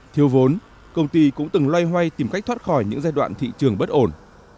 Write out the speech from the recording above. thiếu vốn công ty cũng từng loay hoay tìm cách thoát khỏi những giai đoạn thị trường bất ổn